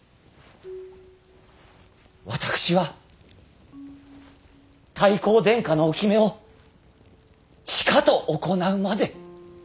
私は太閤殿下の置目をしかと行うまで。